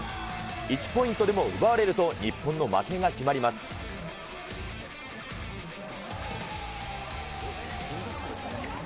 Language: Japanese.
１ポイントでも奪われると、日本の負けが決まります。